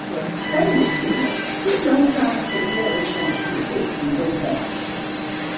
Famously, two longtime career records were set in this match.